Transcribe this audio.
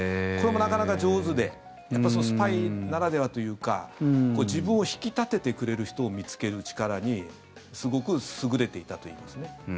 これも、なかなか上手でやっぱりスパイならではというか自分を引き立ててくれる人を見つける力にすごく優れていたといいますね。